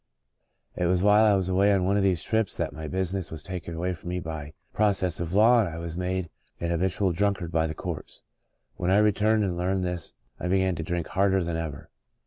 " It was while I was away on one of these trips that my business was taken away from me by process of law and I was made an ha bitual drunkard by the courts. When I re turned and learned this I began to drink harder than ever.